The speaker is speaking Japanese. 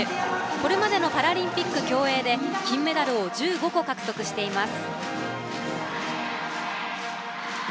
これまでのパラリンピック競泳で金メダルを１５個獲得しています。